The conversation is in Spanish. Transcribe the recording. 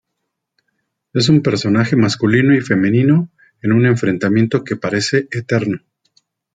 Es un personaje masculino y femenino en un enfrentamiento que parece eterno.